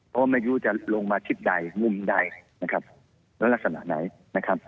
เพราะว่าไม่รู้จะลงมาทิศใดมุมใดและลักษณะไหน